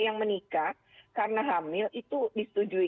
yang menikah karena hamil itu disetujui